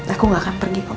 aku gak akan pergi mas